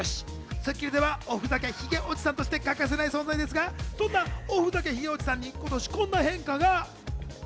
『スッキリ』ではおふざけヒゲおじさんとして欠かせない存在ですがそんなおふざげヒゲおじさんに今年こんな変化が。